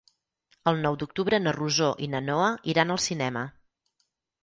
El nou d'octubre na Rosó i na Noa iran al cinema.